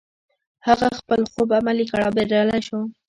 هغه خپل خوب عملي کړ او بريالی شو.